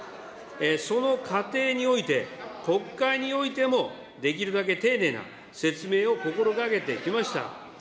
その過程において、国会においてもできるだけ丁寧な説明を心がけてきました。